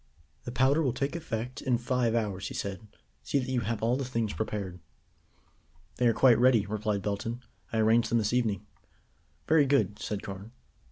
"The powder will take effect in five hours," he said. "See that you have all the things prepared." "They are quite ready," replied Belton. "I arranged them this evening." "Very good," said Carne.